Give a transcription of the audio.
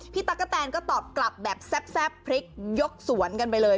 ตั๊กกะแตนก็ตอบกลับแบบแซ่บพริกยกสวนกันไปเลย